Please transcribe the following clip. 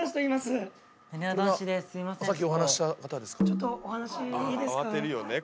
ちょっとお話いいですか？